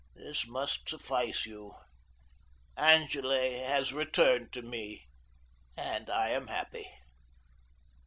This must suffice you. Angele has returned to me, and I am happy.